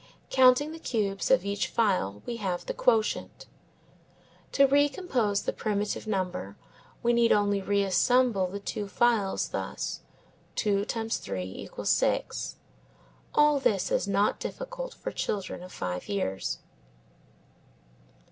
Counting the cubes of each file we have the quotient. To recompose the primitive number we need only reassemble the two files thus 2x3=6. All this is not difficult for children of five years.